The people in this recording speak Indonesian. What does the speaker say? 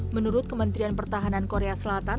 menurut kementerian pertahanan korea selatan